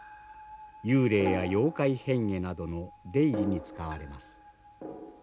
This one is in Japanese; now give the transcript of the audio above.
幽霊や妖怪変化などの出入りに使われます。